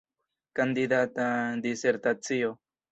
Kandidata disertacio.